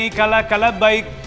la baik allahumma la baik